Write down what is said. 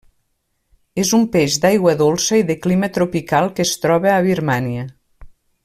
És un peix d'aigua dolça i de clima tropical que es troba a Birmània.